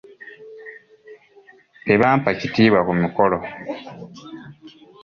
Tebampa kitiibwa ku mukolo.